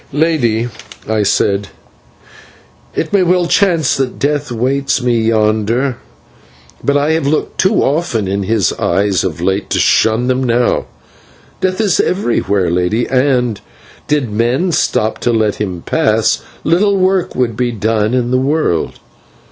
"Lady," I said, "it may well chance that Death waits me yonder, but I have looked too often in his eyes of late to shun them now. Death is everywhere, lady, and, did men stop to let him pass, little work would be done in the world.